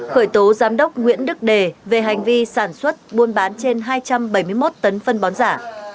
khởi tố giám đốc nguyễn đức đề về hành vi sản xuất buôn bán trên hai trăm bảy mươi một tấn phân bón giả